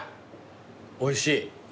おいしい。